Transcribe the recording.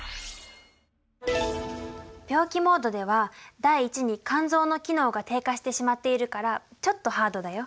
病気モードでは第一に肝臓の機能が低下してしまっているからちょっとハードだよ。